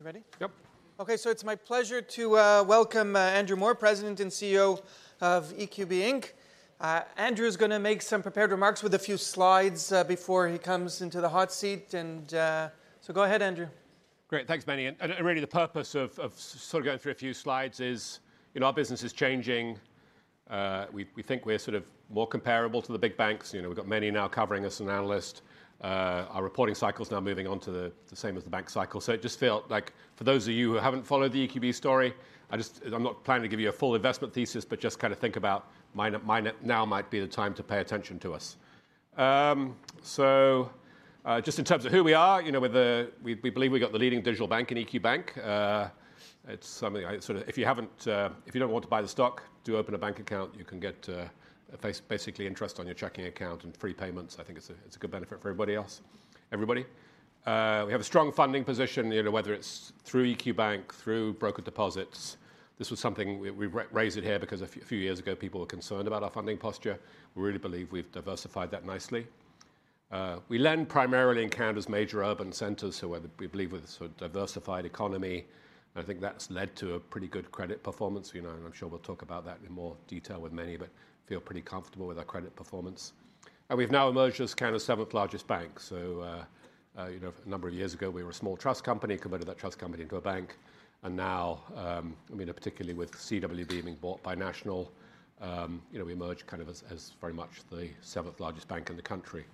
You ready? Yep. Okay, so it's my pleasure to welcome Andrew Moor, President and CEO of EQB Inc. Andrew is gonna make some prepared remarks with a few slides before he comes into the hot seat, and so go ahead, Andrew. Great. Thanks, Meny. And really, the purpose of sort of going through a few slides is, you know, our business is changing. We think we're sort of more comparable to the big banks. You know, we've got Meny now covering us, an analyst. Our reporting cycle's now moving on to the same as the bank cycle. So it just felt like for those of you who haven't followed the EQB story, I just- I'm not planning to give you a full investment thesis, but just kind of think about mine, now might be the time to pay attention to us. So just in terms of who we are, you know, we're the- we believe we've got the leading digital bank in EQ Bank. It's something I sort of... If you haven't, if you don't want to buy the stock, do open a bank account. You can get basically interest on your checking account and free payments. I think it's a good benefit for everybody else. Everybody. We have a strong funding position, you know, whether it's through EQ Bank, through broker deposits. This was something we raised here because a few years ago, people were concerned about our funding posture. We really believe we've diversified that nicely. We lend primarily in Canada's major urban centers, so where we believe with a sort of diversified economy, and I think that's led to a pretty good credit performance, you know, and I'm sure we'll talk about that in more detail with Meny, but feel pretty comfortable with our credit performance. And we've now emerged as Canada's seventh-largest bank. So, you know, a number of years ago, we were a small trust company, converted that trust company into a bank, and now, I mean, particularly with CWB being bought by National, you know, we emerged kind of as very much the seventh-largest bank in the country,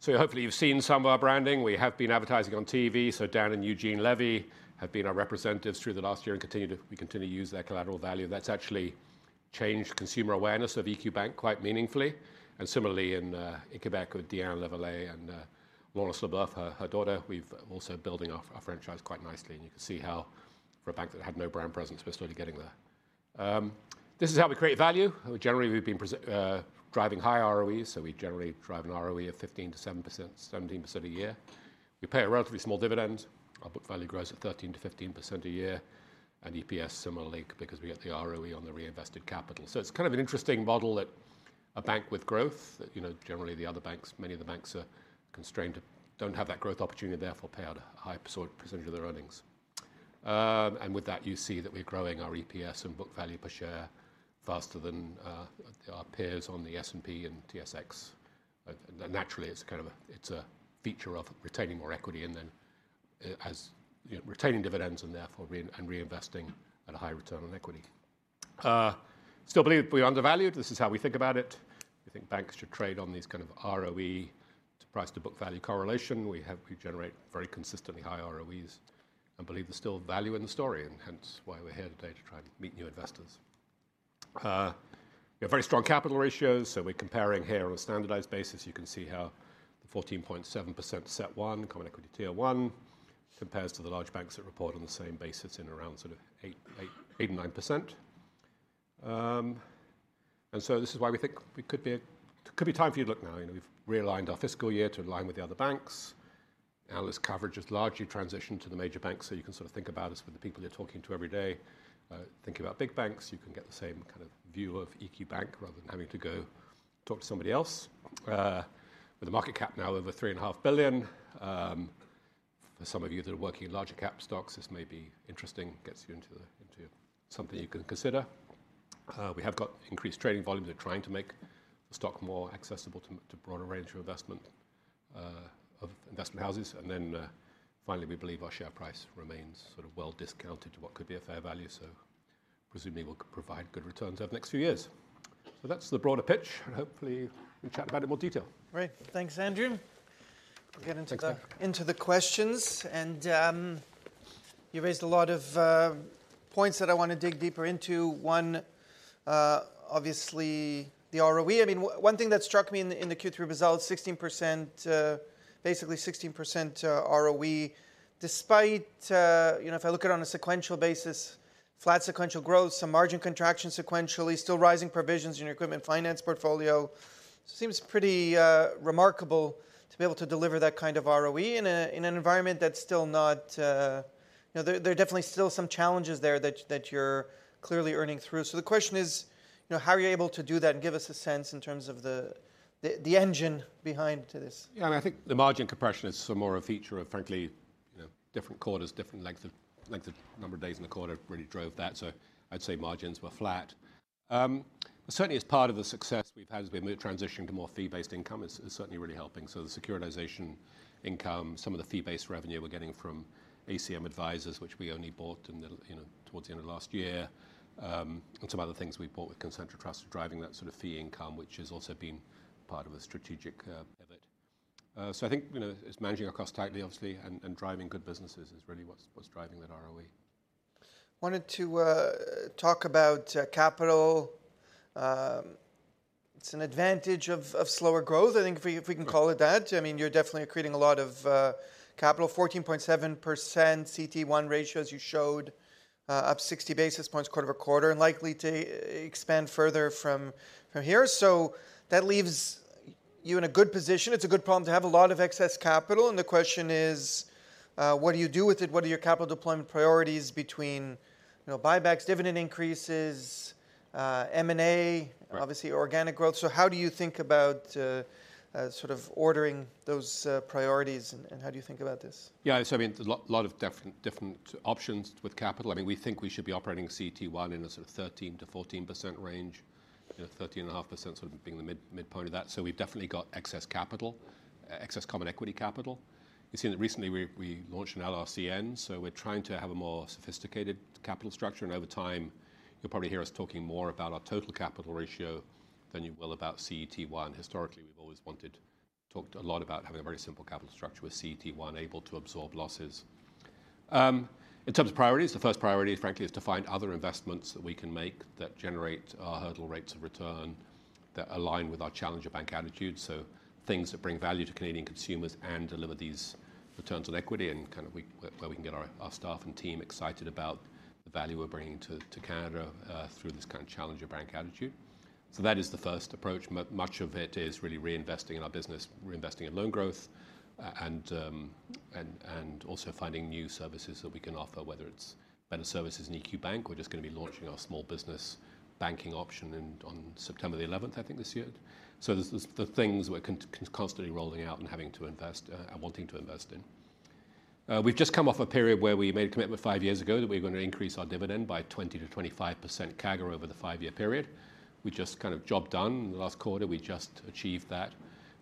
so hopefully you've seen some of our branding. We have been advertising on TV, so Dan and Eugene Levy have been our representatives through the last year and continue to... We continue to use their collateral value. That's actually changed consumer awareness of EQ Bank quite meaningfully, and similarly in Quebec with Diane Lavallée and Laurence Leboeuf, her daughter. We've also building off our franchise quite nicely, and you can see how for a bank that had no brand presence, we're slowly getting there. This is how we create value. Generally, we've been driving high ROEs, so we generally drive an ROE of 15%-17% a year. We pay a relatively small dividend. Our book value grows at 13%-15% a year, and EPS similarly, because we get the ROE on the reinvested capital. So it's kind of an interesting model that a bank with growth, that, you know, generally the other banks, many of the banks are constrained, don't have that growth opportunity, therefore, pay out a high percentage of their earnings. And with that, you see that we're growing our EPS and book value per share faster than our peers on the S&P and TSX. Naturally, it's kind of a- it's a feature of retaining more equity, and then, as, you know, retaining dividends and therefore and reinvesting at a high return on equity. Still believe we're undervalued. This is how we think about it. We think banks should trade on these kind of ROE to price to book value correlation. We generate very consistently high ROEs and believe there's still value in the story, and hence why we're here today to try to meet new investors. We have very strong capital ratios, so we're comparing here on a standardized basis. You can see how the 14.7% CET1, Common Equity Tier 1, compares to the large banks that report on the same basis in around sort of 8%-9%. And so this is why we think we could be time for you to look now. You know, we've realigned our fiscal year to align with the other banks. Analyst coverage has largely transitioned to the major banks, so you can sort of think about us with the people you're talking to every day. Think about big banks. You can get the same kind of view of EQ Bank rather than having to go talk to somebody else. With a market cap now over 3.5 billion, for some of you that are working in larger cap stocks, this may be interesting. Gets you into something you can consider. We have got increased trading volume. We're trying to make the stock more accessible to a broader range of investment houses, and then finally, we believe our share price remains sort of well discounted to what could be a fair value, so presumably we'll provide good returns over the next few years. So that's the broader pitch, and hopefully we'll chat about it in more detail. Great. Thanks, Andrew. Thanks. We'll get into the questions, and you raised a lot of points that I want to dig deeper into. One obviously the ROE. I mean, one thing that struck me in the Q3 results, 16% basically 16% ROE, despite you know, if I look at it on a sequential basis, flat sequential growth, some margin contraction sequentially, still rising provisions in your equipment finance portfolio. So it seems pretty remarkable to be able to deliver that kind of ROE in an environment that's still not... You know, there are definitely still some challenges there that you're clearly earning through. So the question is, you know, how are you able to do that? And give us a sense in terms of the engine behind this. Yeah, and I think the margin compression is so more a feature of, frankly, you know, different quarters, different length of number of days in the quarter really drove that. So I'd say margins were flat. Certainly as part of the success we've had as we made a transition to more fee-based income is certainly really helping. So the securitization income, some of the fee-based revenue we're getting from ACM Advisors, which we only bought in the, you know, towards the end of last year, and some other things we bought with Concentra Trust are driving that sort of fee income, which has also been part of a strategic pivot. So I think, you know, it's managing our cost tightly, obviously, and driving good businesses is really what's driving that ROE. Wanted to talk about capital. It's an advantage of slower growth, I think, if we can call it that. I mean, you're definitely creating a lot of capital, 14.7% CET1 ratios you showed, up 60 basis points quarter over quarter and likely to expand further from here. So that leaves you in a good position. It's a good problem to have a lot of excess capital, and the question is, what do you do with it? What are your capital deployment priorities between, you know, buybacks, dividend increases? M&A- Right Obviously, organic growth. So how do you think about sort of ordering those priorities, and how do you think about this? Yeah, so I mean, there's a lot of different options with capital. I mean, we think we should be operating CET1 in a sort of 13%-14% range. You know, 13.5% sort of being the midpoint of that. So we've definitely got excess capital, excess common equity capital. You've seen that recently we launched an LRCN, so we're trying to have a more sophisticated capital structure, and over time, you'll probably hear us talking more about our total capital ratio than you will about CET1. Historically, we've always wanted... talked a lot about having a very simple capital structure with CET1, able to absorb losses. In terms of priorities, the first priority, frankly, is to find other investments that we can make that generate our hurdle rates of return, that align with our challenger bank attitude, so things that bring value to Canadian consumers and deliver these returns on equity and kind of we, where we can get our staff and team excited about the value we're bringing to Canada through this kind of challenger bank attitude. So that is the first approach. Much of it is really reinvesting in our business, reinvesting in loan growth, and also finding new services that we can offer, whether it's better services in EQ Bank. We're just going to be launching our small business banking option on September the 11th, I think, this year. There's the things we're constantly rolling out and having to invest, and wanting to invest in. We've just come off a period where we made a commitment five years ago that we were going to increase our dividend by 20%-25% CAGR over the five-year period. We just kind of job done. In the last quarter, we just achieved that.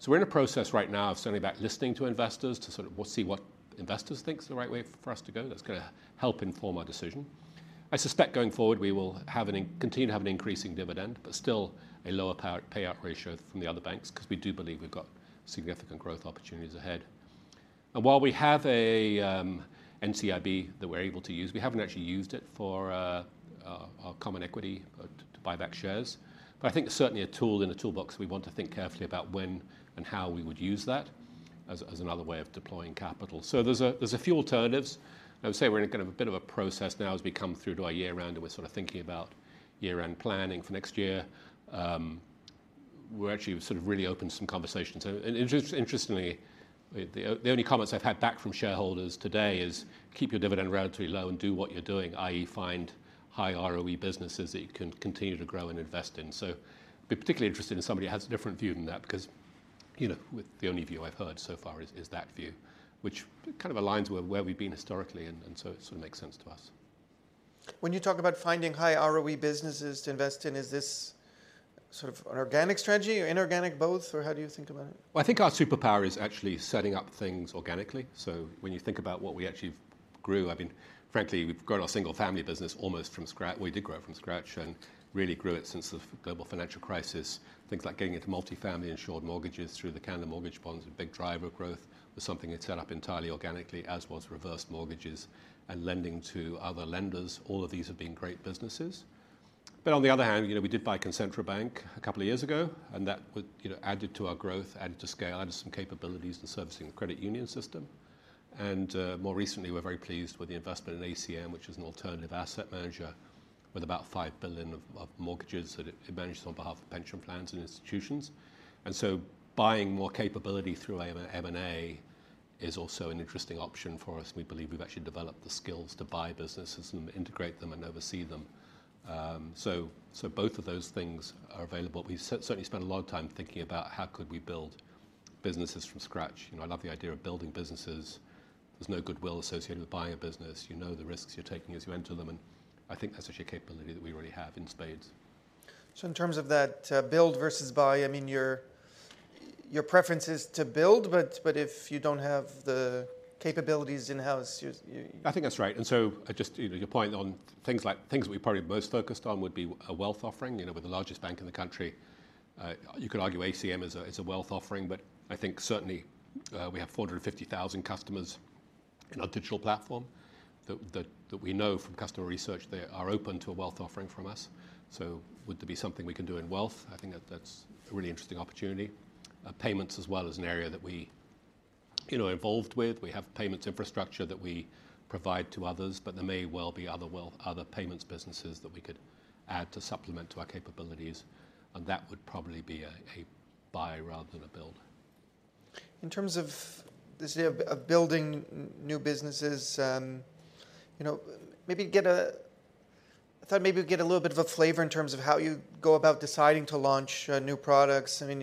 We're in a process right now of certainly about listening to investors to sort of we'll see what investors think is the right way for us to go. That's gonna help inform our decision. I suspect going forward, we will continue to have an increasing dividend, but still a lower payout ratio than the other banks, 'cause we do believe we've got significant growth opportunities ahead. While we have a NCIB that we're able to use, we haven't actually used it for our common equity to buy back shares. But I think it's certainly a tool in the toolbox we want to think carefully about when and how we would use that as another way of deploying capital. There's a few alternatives. I would say we're in a bit of a process now as we come through to our year end, and we're sort of thinking about year-end planning for next year. We're actually sort of really open to some conversations. Interestingly, the only comments I've had back from shareholders today is, "Keep your dividend relatively low and do what you're doing," i.e., find high ROE businesses that you can continue to grow and invest in. Be particularly interested in somebody who has a different view than that, because, you know, the only view I've heard so far is that view, which kind of aligns with where we've been historically, and so it sort of makes sense to us. When you talk about finding high ROE businesses to invest in, is this sort of an organic strategy or inorganic, both, or how do you think about it? Well, I think our superpower is actually setting up things organically. So when you think about what we actually grew, I mean, frankly, we've grown our single-family business almost from scratch. We did grow it from scratch and really grew it since the global financial crisis. Things like getting into multifamily insured mortgages through the Canada Mortgage Bonds, a big driver of growth, was something that set up entirely organically, as was reverse mortgages and lending to other lenders. All of these have been great businesses. But on the other hand, you know, we did buy Concentra Bank a couple of years ago, and that would, you know, added to our growth, added to scale, added some capabilities and servicing the credit union system. And more recently, we're very pleased with the investment in ACM, which is an alternative asset manager with about 5 billion of mortgages that it manages on behalf of pension plans and institutions. And so buying more capability through M&A is also an interesting option for us. We believe we've actually developed the skills to buy businesses and integrate them and oversee them. Both of those things are available. We certainly spent a lot of time thinking about how could we build businesses from scratch. You know, I love the idea of building businesses. There's no goodwill associated with buying a business. You know the risks you're taking as you enter them, and I think that's actually a capability that we already have in spades. So in terms of that, build versus buy, I mean, your preference is to build, but if you don't have the capabilities in-house, you I think that's right. And so just, you know, your point on things like things we probably most focused on would be a wealth offering. You know, we're the largest bank in the country. You could argue ACM is a wealth offering, but I think certainly we have 450,000 customers in our digital platform that we know from customer research they are open to a wealth offering from us. So would there be something we can do in wealth? I think that that's a really interesting opportunity. Payments as well is an area that we, you know, are involved with. We have payments infrastructure that we provide to others, but there may well be other wealth, other payments businesses that we could add to supplement to our capabilities, and that would probably be a buy rather than a build. In terms of this idea of building new businesses, you know, I thought maybe we'd get a little bit of a flavor in terms of how you go about deciding to launch new products. I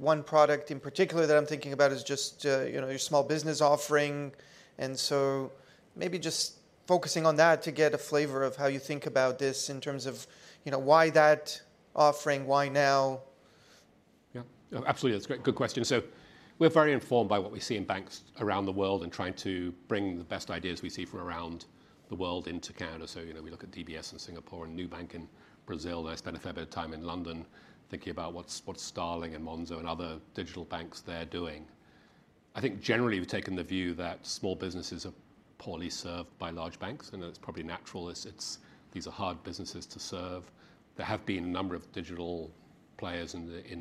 mean, one product in particular that I'm thinking about is just, you know, your small business offering, and so maybe just focusing on that to get a flavor of how you think about this in terms of, you know, why that offering, why now? Yeah, absolutely. That's a great, good question. So we're very informed by what we see in banks around the world and trying to bring the best ideas we see from around the world into Canada. So, you know, we look at DBS in Singapore and Nubank in Brazil. I spent a fair bit of time in London thinking about what's Starling and Monzo and other digital banks there doing. I think generally, we've taken the view that small businesses are poorly served by large banks, and it's probably natural. It's... These are hard businesses to serve. There have been a number of digital players,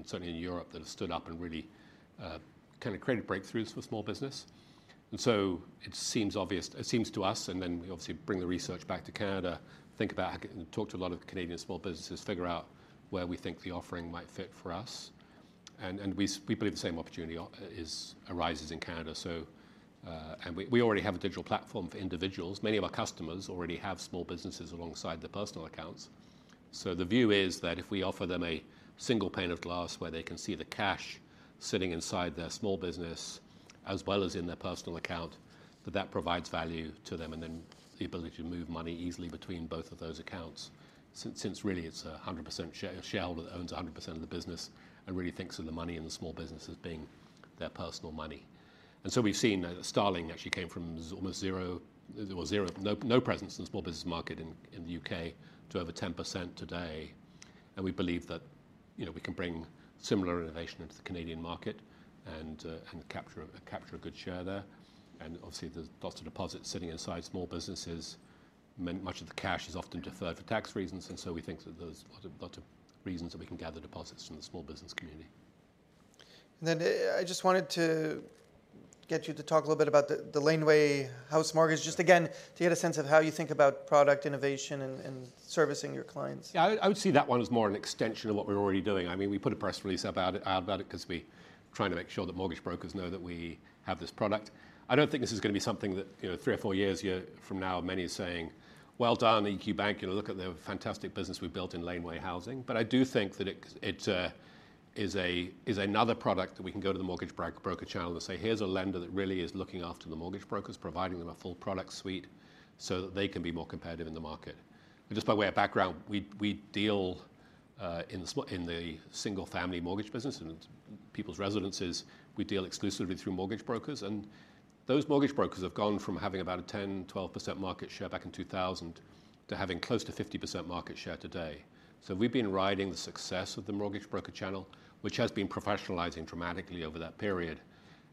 certainly in Europe, that have stood up and really kind of created breakthroughs for small business. It seems to us, and then we obviously bring the research back to Canada, think about it, and talk to a lot of Canadian small businesses, figure out where we think the offering might fit for us. We believe the same opportunity also arises in Canada. We already have a digital platform for individuals. Many of our customers already have small businesses alongside their personal accounts. The view is that if we offer them a single pane of glass where they can see the cash sitting inside their small business as well as in their personal account, that that provides value to them, and then the ability to move money easily between both of those accounts. Since really it's a 100% shareholder that owns a 100% of the business and really thinks of the money in the small business as being their personal money. And so we've seen that Starling actually came from almost zero, well, zero... no presence in the small business market in the U.K. to over 10% today. And we believe that, you know, we can bring similar innovation into the Canadian market and capture a good share there. And obviously, there's lots of deposits sitting inside small businesses. Much of the cash is often deferred for tax reasons, and so we think that there's a lot of reasons that we can gather deposits from the small business community. I just wanted to get you to talk a little bit about the Laneway House Mortgage, just again, to get a sense of how you think about product innovation and servicing your clients. Yeah, I would see that one as more an extension of what we're already doing. I mean, we put a press release out about it, 'cause we're trying to make sure that mortgage brokers know that we have this product. I don't think this is gonna be something that, you know, three or four years from now, many are saying, "Well done, EQ Bank. You know, look at the fantastic business we've built in Laneway Housing." But I do think that it is another product that we can go to the mortgage broker channel and say, "Here's a lender that really is looking after the mortgage brokers, providing them a full product suite, so that they can be more competitive in the market." And just by way of background, we deal in the single-family mortgage business, in people's residences, we deal exclusively through mortgage brokers. And those mortgage brokers have gone from having about a 10%-12% market share back in 2000, to having close to 50% market share today. So we've been riding the success of the mortgage broker channel, which has been professionalizing dramatically over that period.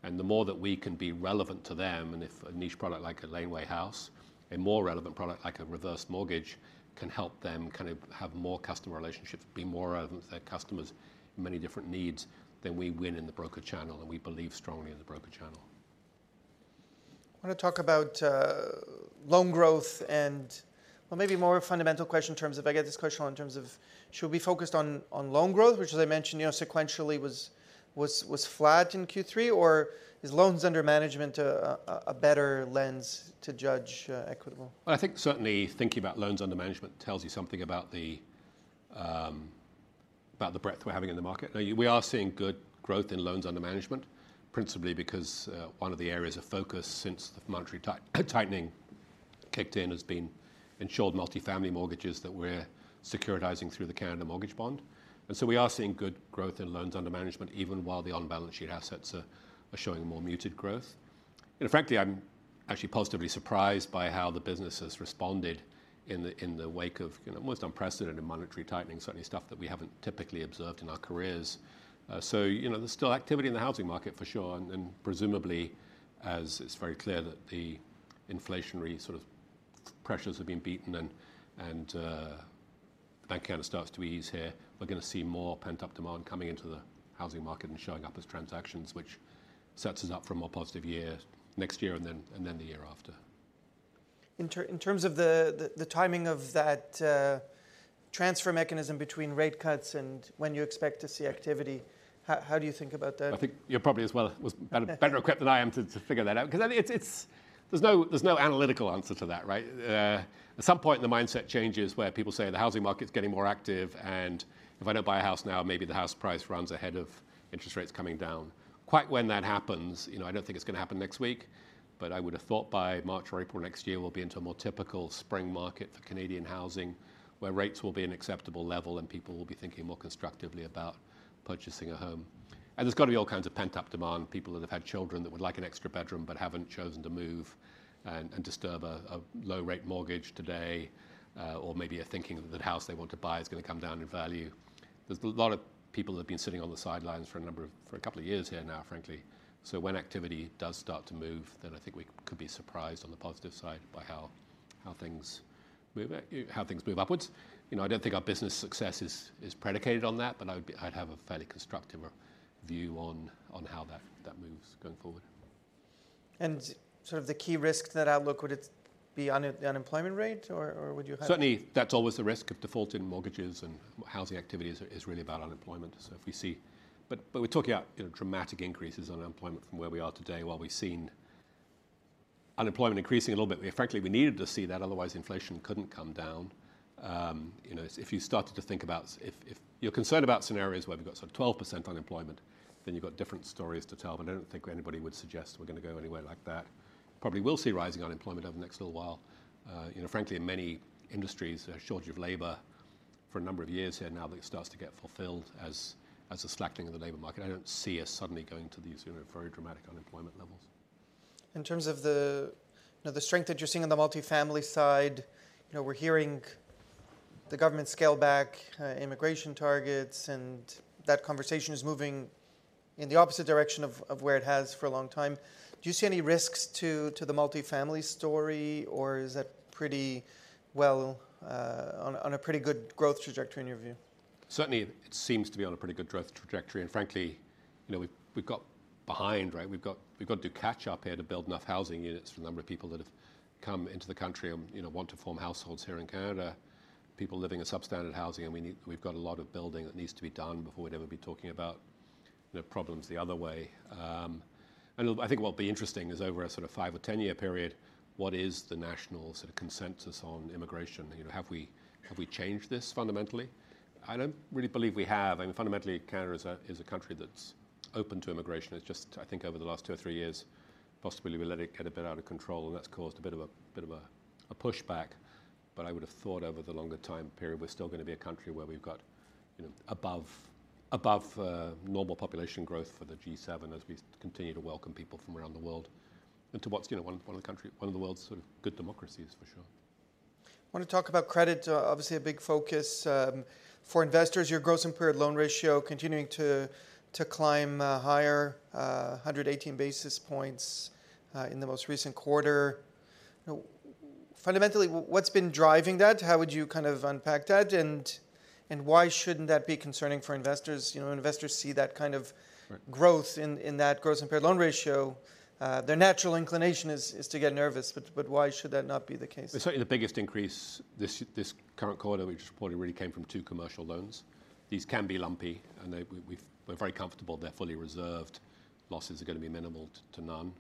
The more that we can be relevant to them, and if a niche product like a laneway house, a more relevant product like a Reverse Mortgage, can help them kind of have more customer relationships, be more relevant to their customers in many different needs, then we win in the broker channel, and we believe strongly in the broker channel. I want to talk about loan growth and... Well, maybe a more fundamental question in terms of. I get this question in terms of: Should we be focused on loan growth, which, as I mentioned, you know, sequentially was flat in Q3, or is Loans Under Management a better lens to judge Equitable? I think certainly thinking about Loans Under Management tells you something about the breadth we're having in the market. Now, we are seeing good growth in Loans Under Management, principally because one of the areas of focus since the monetary tightening kicked in has been insured multifamily mortgages that we're securitizing through the Canada Mortgage Bonds, and so we are seeing good growth in Loans Under Management, even while the on-balance sheet assets are showing a more muted growth, and frankly, I'm actually positively surprised by how the business has responded in the wake of, you know, most unprecedented monetary tightening, certainly stuff that we haven't typically observed in our careers. So, you know, there's still activity in the housing market for sure, and then presumably, as it's very clear, that the inflationary sort of pressures have been beaten and the Bank of Canada starts to ease here, we're going to see more pent-up demand coming into the housing market and showing up as transactions, which sets us up for a more positive year next year, and then the year after. In terms of the timing of that transfer mechanism between rate cuts and when you expect to see activity, how do you think about that? I think you're probably as well as better equipped than I am to figure that out, 'cause I think it's... There's no analytical answer to that, right? At some point, the mindset changes where people say: The housing market's getting more active, and if I don't buy a house now, maybe the house price runs ahead of interest rates coming down. Quite when that happens, you know, I don't think it's going to happen next week, but I would have thought by March or April next year, we'll be into a more typical spring market for Canadian housing, where rates will be an acceptable level and people will be thinking more constructively about purchasing a home. And there's got to be all kinds of pent-up demand, people that have had children that would like an extra bedroom but haven't chosen to move and disturb a low-rate mortgage today, or maybe are thinking that the house they want to buy is going to come down in value. There's a lot of people that have been sitting on the sidelines for a couple of years here now, frankly. So when activity does start to move, then I think we could be surprised on the positive side by how things move upwards. You know, I don't think our business success is predicated on that, but I'd have a fairly constructive view on how that moves going forward. Sort of the key risk to that outlook, would it be the unemployment rate, or would you have- Certainly, that's always the risk of defaulting mortgages and housing activities is really about unemployment. So if we see, but we're talking about, you know, dramatic increases in unemployment from where we are today. While we've seen unemployment increasing a little bit, frankly, we needed to see that, otherwise inflation couldn't come down. You know, if you're concerned about scenarios where we've got sort of 12% unemployment, then you've got different stories to tell. But I don't think anybody would suggest we're going to go anywhere like that. Probably will see rising unemployment over the next little while. You know, frankly, in many industries, a shortage of labor for a number of years here now, that starts to get fulfilled as a slackening of the labor market. I don't see us suddenly going to these, you know, very dramatic unemployment levels. In terms of the, you know, the strength that you're seeing on the multifamily side, you know, we're hearing the government scale back immigration targets, and that conversation is moving in the opposite direction of where it has for a long time. Do you see any risks to the multifamily story, or is that pretty well on a pretty good growth trajectory in your view? Certainly, it seems to be on a pretty good growth trajectory, and frankly you know, we've got behind, right? We've got to catch up here to build enough housing units for the number of people that have come into the country and, you know, want to form households here in Canada. People living in substandard housing, and we need. We've got a lot of building that needs to be done before we'd ever be talking about the problems the other way, and I think what will be interesting is, over a sort of five or 10-year period, what is the national sort of consensus on immigration? You know, have we changed this fundamentally? I don't really believe we have. I mean, fundamentally, Canada is a country that's open to immigration. It's just, I think, over the last two or three years, possibly we let it get a bit out of control, and that's caused a bit of a pushback. But I would have thought over the longer time period, we're still going to be a country where we've got, you know, above normal population growth for the G7 as we continue to welcome people from around the world, into what's, you know, one of the world's sort of good democracies, for sure. I want to talk about credit. Obviously a big focus for investors. Your gross impaired loan ratio continuing to climb higher, 118 basis points in the most recent quarter. Now, fundamentally, what's been driving that? How would you kind of unpack that? And why shouldn't that be concerning for investors? You know, when investors see that kind of- Right... growth in that gross impaired loan ratio, their natural inclination is to get nervous, but why should that not be the case? Certainly the biggest increase this current quarter, which probably really came from two commercial loans. These can be lumpy, and they, we're very comfortable they're fully reserved. Losses are going to be minimal to none.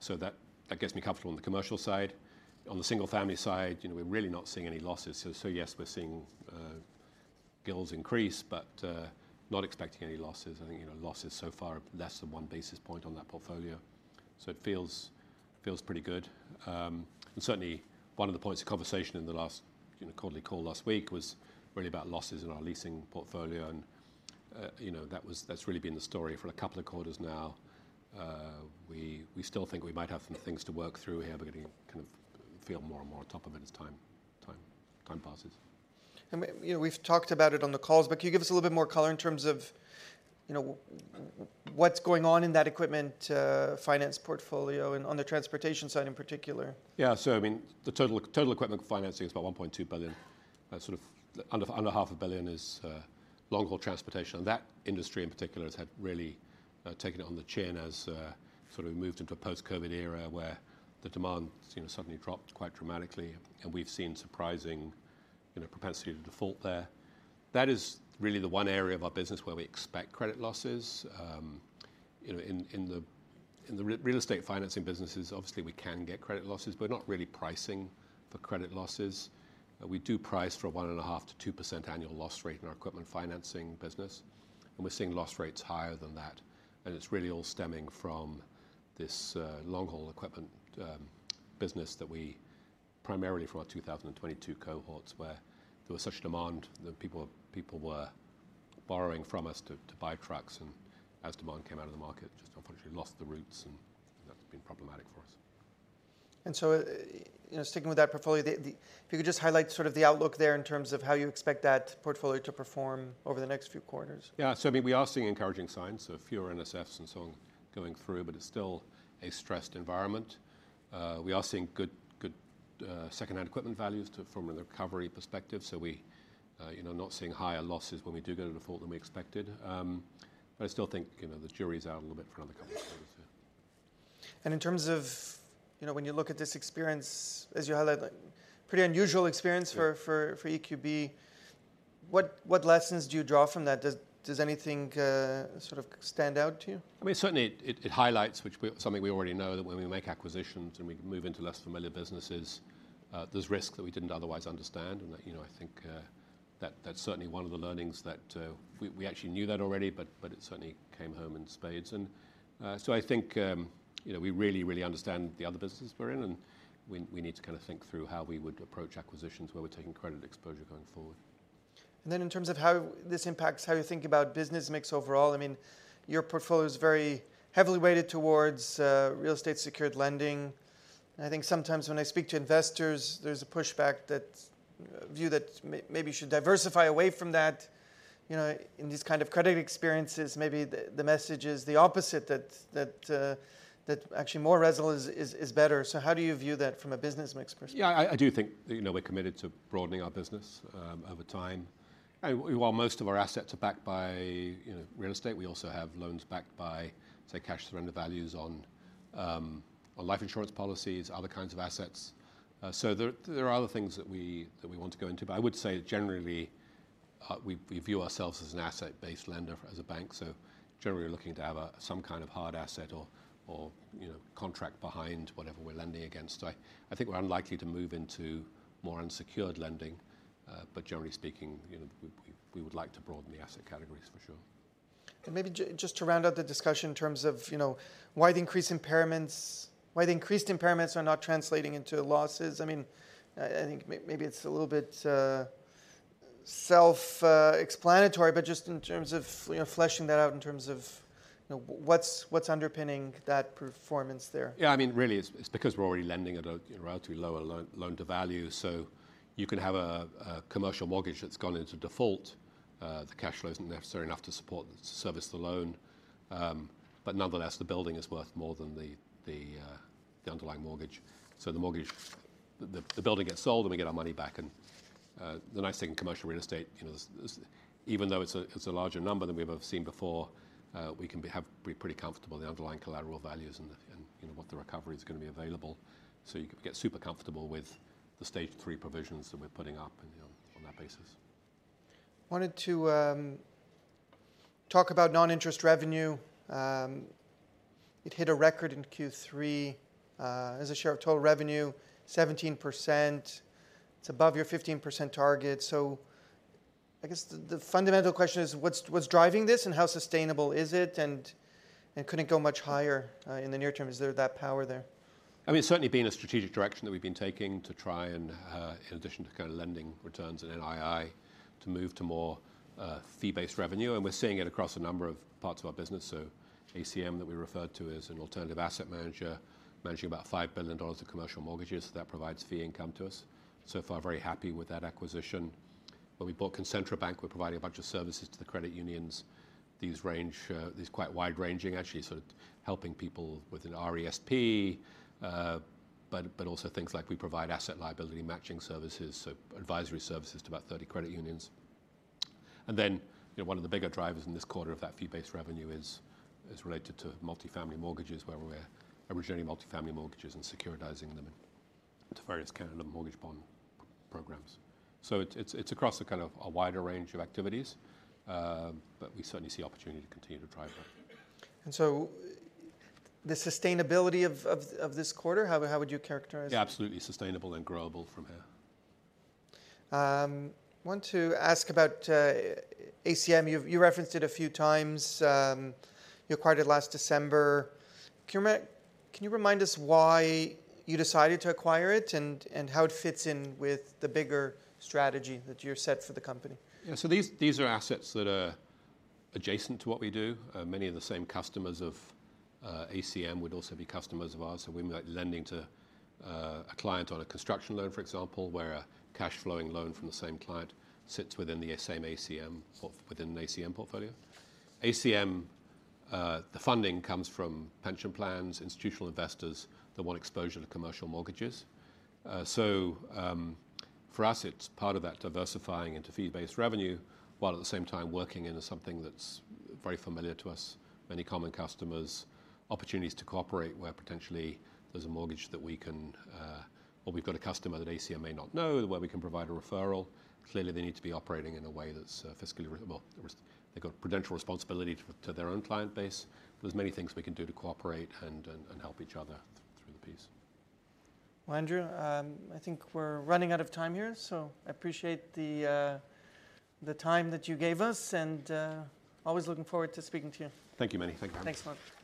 So that gets me comfortable on the commercial side. On the single-family side, you know, we're really not seeing any losses. So, yes, we're seeing GILs increase, but not expecting any losses. I think, you know, losses so far are less than one basis point on that portfolio. So it feels pretty good. And certainly, one of the points of conversation in the last, you know, quarterly call last week was really about losses in our leasing portfolio, and, you know, that's really been the story for a couple of quarters now. We still think we might have some things to work through here, but we're getting kind of feel more and more on top of it as time passes. You know, we've talked about it on the calls, but can you give us a little bit more color in terms of, you know, what's going on in that equipment finance portfolio and on the transportation side in particular? Yeah, so I mean, the total equipment financing is about 1.2 billion. Sort of under half a billion is long-haul transportation. And that industry, in particular, has had really taken it on the chin as sort of moved into a post-COVID era, where the demand, you know, suddenly dropped quite dramatically, and we've seen surprising, you know, propensity to default there. That is really the one area of our business where we expect credit losses. You know, in the real estate financing businesses, obviously, we can get credit losses, but we're not really pricing for credit losses. We do price for a 1.5%-2% annual loss rate in our equipment financing business, and we're seeing loss rates higher than that, and it's really all stemming from this long-haul equipment business that we primarily from our 2022 cohorts, where there was such demand that people were borrowing from us to buy trucks, and as demand came out of the market, just unfortunately lost the routes, and that's been problematic for us. And so, you know, sticking with that portfolio. If you could just highlight sort of the outlook there in terms of how you expect that portfolio to perform over the next few quarters? Yeah, so I mean, we are seeing encouraging signs, so fewer NSFs and so on going through, but it's still a stressed environment. We are seeing good second-hand equipment values too from a recovery perspective, so we, you know, not seeing higher losses when we do go to default than we expected, but I still think, you know, the jury is out a little bit for another couple of years here. And in terms of, you know, when you look at this experience, as you highlight, pretty unusual experience. Yeah... for EQB, what lessons do you draw from that? Does anything sort of stand out to you? I mean, certainly, it highlights something we already know, that when we make acquisitions and we move into less familiar businesses, there's risks that we didn't otherwise understand, and you know, I think that that's certainly one of the learnings that we actually knew that already, but it certainly came home in spades, and so I think you know, we really really understand the other businesses we're in, and we need to kind of think through how we would approach acquisitions where we're taking credit exposure going forward. And then in terms of how this impacts how you think about business mix overall, I mean, your portfolio is very heavily weighted towards real estate secured lending. I think sometimes when I speak to investors, there's a pushback that view that maybe you should diversify away from that. You know, in these kind of credit experiences, maybe the message is the opposite, that actually more resilience is better. So how do you view that from a business mix perspective? Yeah, I do think, you know, we're committed to broadening our business over time. And while most of our assets are backed by, you know, real estate, we also have loans backed by, say, cash surrender values on life insurance policies, other kinds of assets. So there are other things that we want to go into. But I would say generally, we view ourselves as an asset-based lender, as a bank, so generally, we're looking to have some kind of hard asset or you know, contract behind whatever we're lending against. I think we're unlikely to move into more unsecured lending, but generally speaking, you know, we would like to broaden the asset categories for sure. Maybe just to round out the discussion in terms of, you know, why the increased impairments are not translating into losses? I mean, I think maybe it's a little bit self-explanatory, but just in terms of, you know, fleshing that out in terms of, you know, what's underpinning that performance there? Yeah, I mean, really, it's because we're already lending at a relatively lower loan-to-value, so you can have a commercial mortgage that's gone into default, the cash flow isn't necessary enough to support, service the loan, but nonetheless, the building is worth more than the underlying mortgage. So the mortgage, the building gets sold, and we get our money back. And the nice thing in commercial real estate, you know, is even though it's a larger number than we've ever seen before, we can be pretty comfortable in the underlying collateral values and the, you know, what the recovery is gonna be available. So you can get super comfortable with the Stage 3 provisions that we're putting up and on that basis. Wanted to talk about non-interest revenue. It hit a record in Q3. As a share of total revenue, 17%, it's above your 15% target. So I guess the fundamental question is: What's driving this, and how sustainable is it? And could it go much higher in the near term? Is there that power there? I mean, it's certainly been a strategic direction that we've been taking to try and, in addition to kind of lending returns and NII, to move to more, fee-based revenue, and we're seeing it across a number of parts of our business. So ACM, that we referred to, is an alternative asset manager, managing about 5 billion dollars of commercial mortgages that provides fee income to us. So far, very happy with that acquisition. When we bought Concentra Bank, we're providing a bunch of services to the credit unions. These are quite wide-ranging, actually, sort of helping people with an RESP, but, but also things like we provide asset-liability matching services, so advisory services to about 30 credit unions. Then, you know, one of the bigger drivers in this quarter of that fee-based revenue is related to multifamily mortgages, where we're originating multifamily mortgages and securitizing them into various Canada Mortgage Bond programs, so it's across a kind of a wider range of activities, but we certainly see opportunity to continue to drive that. The sustainability of this quarter, how would you characterize it? Yeah, absolutely sustainable and growable from here. I want to ask about ACM. You've referenced it a few times. You acquired it last December. Can you remind us why you decided to acquire it, and how it fits in with the bigger strategy that you're set for the company? Yeah. So these, these are assets that are adjacent to what we do. Many of the same customers of ACM would also be customers of ours, so we might be lending to a client on a construction loan, for example, where a cash flowing loan from the same client sits within the same ACM port, within an ACM portfolio. ACM, the funding comes from pension plans, institutional investors that want exposure to commercial mortgages. So, for us, it's part of that diversifying into fee-based revenue, while at the same time, working into something that's very familiar to us, many common customers, opportunities to cooperate where potentially there's a mortgage that we can. Or we've got a customer that ACM may not know, where we can provide a referral. Clearly, they need to be operating in a way that's, well, they've got prudential responsibility to their own client base. There's many things we can do to cooperate and help each other through the piece. Andrew, I think we're running out of time here, so I appreciate the time that you gave us, and always looking forward to speaking to you. Thank you, Meny. Thank you. Thanks a lot.